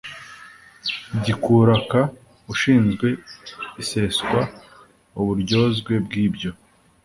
Gikura K Ushinzwe Iseswa Uburyozwe Bw Ibyo